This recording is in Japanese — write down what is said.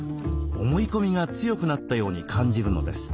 思い込みが強くなったように感じるのです。